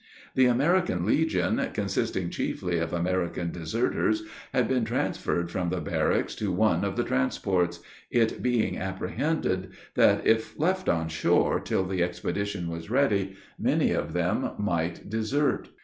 The American legion, consisting chiefly of American deserters, had been transferred from the barracks to one of the transports; it being apprehended that if left on shore till the expedition was ready, many of them might desert.